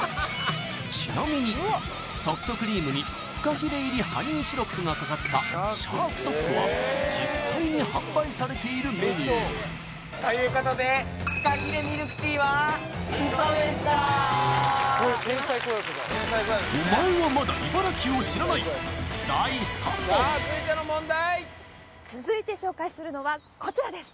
ちなみにソフトクリームにフカヒレ入りハニーシロップがかかったシャークソフトは実際に販売されているメニューということでフカヒレミルクティーはウソでした続いて紹介するのはこちらです